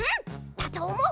だとおもう。